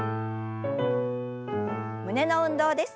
胸の運動です。